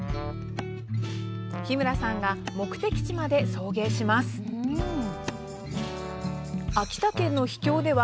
日村さんが目的地まで送迎します。